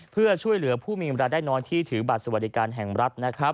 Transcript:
เพื่อช่วยเหลือผู้มีเวลาได้น้อยที่ถือบัตรสวัสดิการแห่งรัฐนะครับ